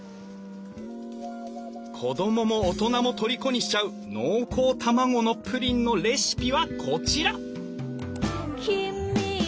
子供も大人もとりこにしちゃう濃厚卵のプリンのレシピはこちら！